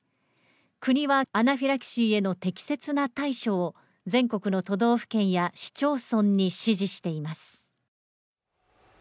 国はアナフィラキシーへの適切な対処を全国の都道府県や市町村に指示しています。